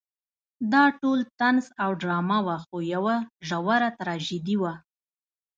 دا ټول طنز او ډرامه وه خو یوه ژوره تراژیدي وه.